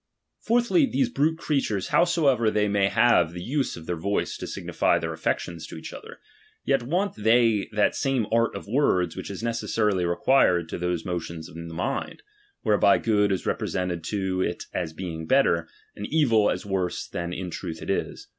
Fourthly, these brute creatures, howsoever they may have the use of their voice to signify their affections to each other, yet want they that same art of words which is neces sarily required to those motions in the mind, whereby good is represented to it as being better, and evil as worse than in truth it is.